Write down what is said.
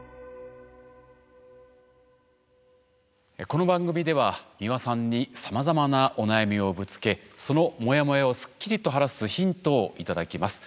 この番組では美輪さんにさまざまなお悩みをぶつけそのモヤモヤをすっきりと晴らすヒントを頂きます。